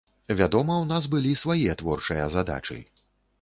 Вядома, у нас былі свае творчыя задачы.